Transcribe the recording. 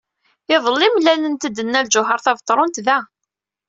Iḍelli, mlalent-d Nna Lǧuheṛ Tabetṛunt da.